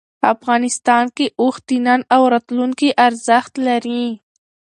افغانستان کې اوښ د نن او راتلونکي ارزښت لري.